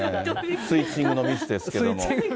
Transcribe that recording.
スイッチングのミスですけれども。